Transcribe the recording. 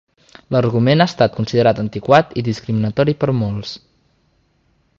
L'argument ha estat considerat antiquat i discriminatori per molts.